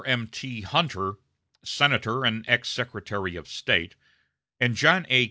M.T. Hunter, senator and ex Secretary of State; and John A.